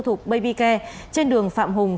thuộc baby care trên đường phạm hùng